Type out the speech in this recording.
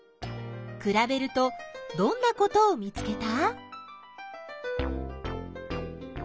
くらべるとどんなことを見つけた？